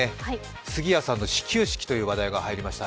杉谷さんの始球式という話題が入りました。